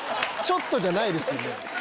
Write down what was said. ちょっとじゃないですよね。